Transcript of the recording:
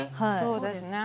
そうですね。